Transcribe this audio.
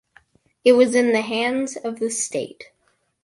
It was in the hands of the state.